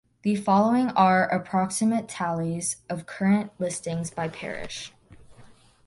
The following are approximate tallies of current listings by parish.